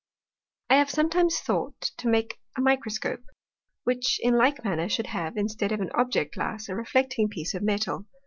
I have sometimes thought to make a Microscope, which in like manner should have, instead of an Object glass, a reflecting piece of Metal.